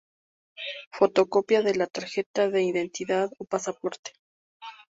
Fotocopia de la Tarjeta de Identidad o Pasaporte.